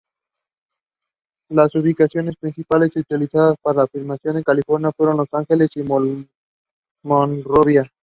Las ubicaciones principales utilizadas para la filmación en California fueron Los Ángeles y Monrovia.